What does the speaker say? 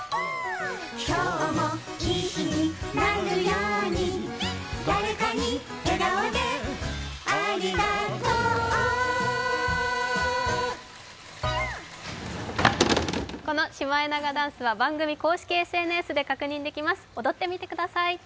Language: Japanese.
この「シマエナガダンス」は番組公式ＳＮＳで確認できます、踊ってみてください